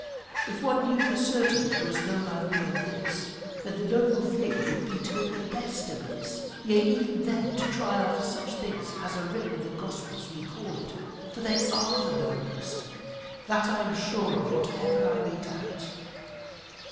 If one knew for certain that there was no life beyond this, then the noble thing would be to make the best of this, yea even then to try after such things as are written in the Gospel as we call it for they are the noblest. That I am sure of, whatever I may doubt.